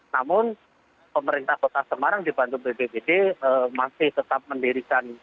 namun pemerintah kota semarang dibantu bpbd masih tetap mendirikan